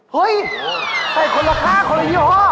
เฮ่ยใครคนละ๕คนละ๗